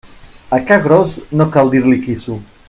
A ca gros no cal dir-li quisso.